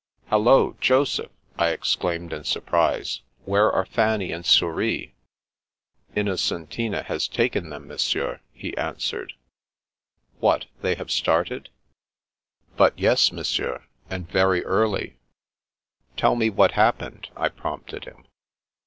" Hallo, Joseph !" I exclaimed in surprise. " Where are Fanny and Sour is ?"" Innocentina has taken them. Monsieur/* he answered. What — they have started?" But yes. Monsieur, and very early." Tell me what happened," I prompted him.